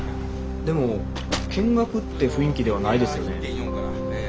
でも見学って雰囲気ではないですよね。